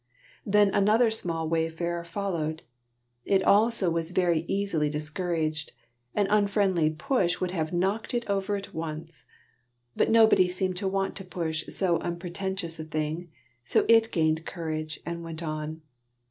_ _Then another small wayfarer followed. It also was very easily discouraged; an unfriendly push would have knocked it over at once. But nobody seemed to want to push so unpretentious a thing, so it gained courage and went on.